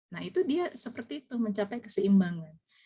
nah itu dia seperti itu mencapai keseimbangan